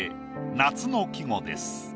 夏の季語です。